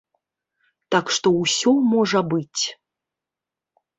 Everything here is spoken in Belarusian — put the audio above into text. Так што ўсё можа быць.